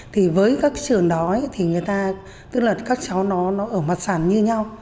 thì với các trường đó thì người ta tức là các cháu nó ở mặt sàn như nhau